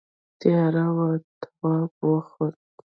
تیاره وه تواب وخوت.